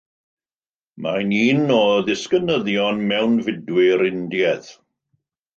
Mae'n un o ddisgynyddion mewnfudwyr Indiaidd.